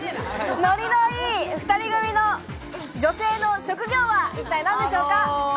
ノリのいい２人組の女性の職業は一体何でしょうか？